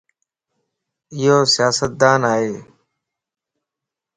ايو سياستدان ائي